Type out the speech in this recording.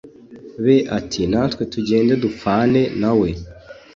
be ati Natwe tugende dupfane na we